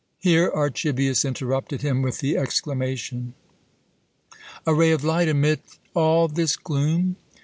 Here Archibius interrupted him with the exclamation: "A ray of light amid all this gloom?